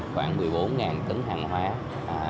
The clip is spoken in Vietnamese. khoảng một mươi bốn tấn hàng hóa